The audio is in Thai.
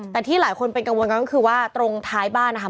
แต่ที่หลายคนเป็นกังวลกันก็คือว่าตรงท้ายบ้านนะคะ